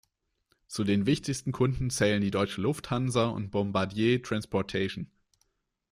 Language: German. Zu den wichtigsten Kunden zählen die Deutsche Lufthansa und Bombardier Transportation.